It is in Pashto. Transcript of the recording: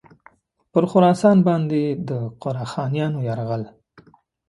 پر خراسان باندي د قره خانیانو یرغل.